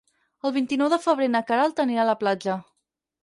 El vint-i-nou de febrer na Queralt anirà a la platja.